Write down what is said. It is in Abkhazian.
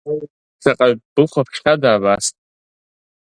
Шаҟаҩ быхәаԥшхьада абас?